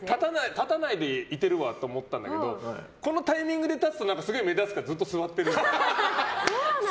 立たないでいけるわと思ってたんだけどこのタイミングで立つと目立つからずっと座ってる。